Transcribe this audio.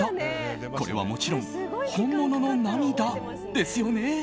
これはもちろん本物の涙ですよね？